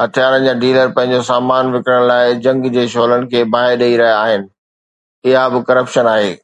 هٿيارن جا ڊيلر پنهنجو سامان وڪڻڻ لاءِ جنگ جي شعلن کي باهه ڏئي رهيا آهن، اها به ڪرپشن آهي.